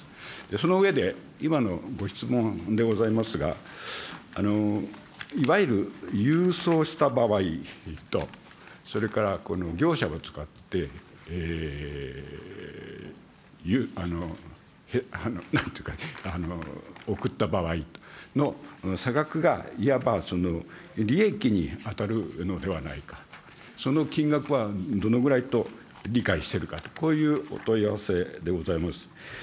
その上で、今のご質問でございますが、いわゆる郵送した場合と、それから業者を使って、なんていうか、送った場合の差額が、いわば利益に当たるのではないか、その金額はどのぐらいと理解してるかと、こういうお問い合わせでございます。